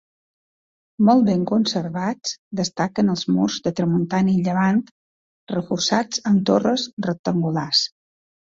Molt ben conservats, destaquen els murs de tramuntana i llevant, reforçats amb torres rectangulars.